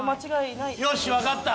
よしわかった。